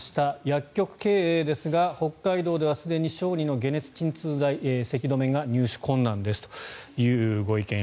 薬局経営ですが北海道ではすでに小児の解熱鎮痛剤、せき止めが入手困難ですというご意見。